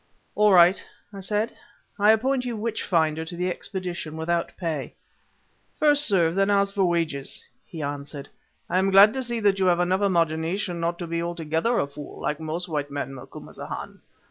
"All right," I said: "I appoint you witch finder to the expedition without pay." "First serve, then ask for wages," he answered. "I am glad to see that you have enough imagination not to be altogether a fool, like most white men, Macumazahn.